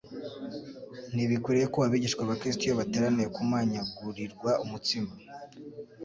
Ntibikwiriye ko abigishwa ba Kristo iyo bateraniye kumanyagurirwa umutsima,